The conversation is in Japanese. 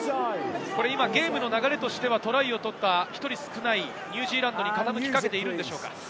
ゲームの流れとしては、トライを取った１人少ないニュージーランドに傾きかけているのでしょうか？